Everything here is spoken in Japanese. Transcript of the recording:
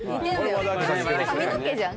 髪の毛じゃん？